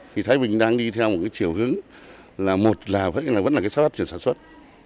thì thái bình đang đi theo một cái chiều hướng là một là vẫn là cái soát phát triển sản xuất